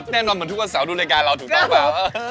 แน่นอนเหมือนทุกเวลาเศร้าดูรายการเราถูกต้องปะอะคือ